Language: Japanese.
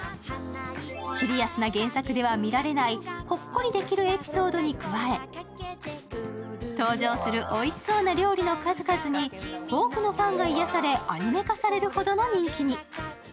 シリアスな原作では見られないほっこりできるエピソードに加え登場するおいしそうな料理の数々に多くのファンが癒やされ、アニメ化されるほどの人気に。